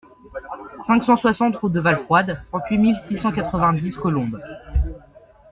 cinq cent soixante route de Valfroide, trente-huit mille six cent quatre-vingt-dix Colombe